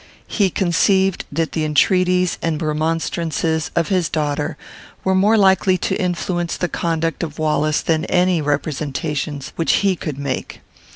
He conceived that the entreaties and remonstrances of his daughter were more likely to influence the conduct of Wallace than any representations which he could make.